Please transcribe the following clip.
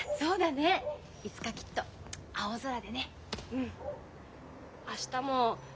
うん。